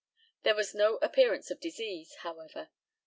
There was no appearance of disease, however.